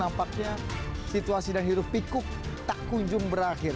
nampaknya situasi dan hirup pikuk tak kunjung berakhir